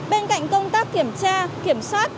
bên cạnh công tác kiểm tra kiểm soát